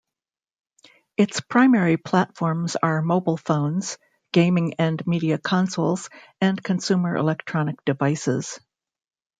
Its primary platforms are mobile phones, gaming and media consoles and consumer electronic devices.